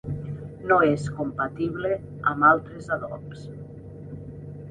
No és compatible amb altres adobs.